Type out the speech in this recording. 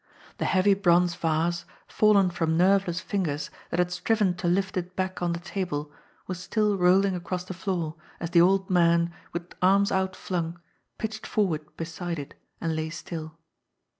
The heavy bronze vase, fallen from nerveless fingers that had striven to lift it back on the table, was still rolling across the floor, as the old man, with arms outflung, pitched forward beside it, and lay still.